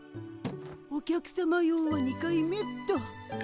お客さま用は２回目っと。